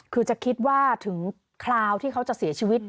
คือจะคิดว่าถึงคราวที่เขาจะเสียชีวิต